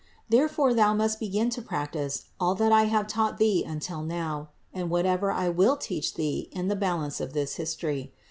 Therefore thou must begin to practice all that I have taught thee until now, and whatever I will yet teach thee in the balance of this history.